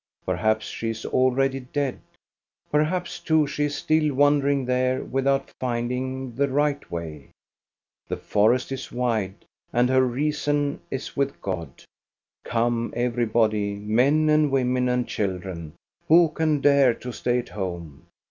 Perhaps she is already dead. Perhaps, too, she is still wandering there without finding the right way. The forest is wide, and her reason is with God. Come everybody, men and women and children! Who can dare to stay at home